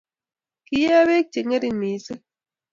Kiee beek chengering mising